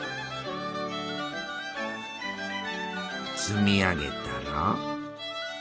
積み上げたら。